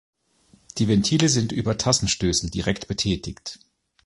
Die Ventile sind über Tassenstößel direkt betätigt.